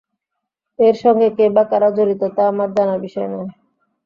এর সঙ্গে কে বা কারা জড়িত, তা আমার জানার বিষয় নয়।